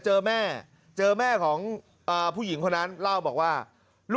การนอนไม่จำเป็นต้องมีอะไรกัน